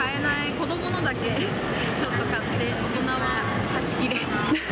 子どものだけちょっと買って、大人は端切れ。